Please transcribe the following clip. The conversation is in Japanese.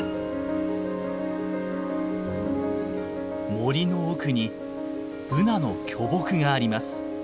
森の奥にブナの巨木があります。